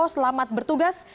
dan juga bagaimana akan ditugas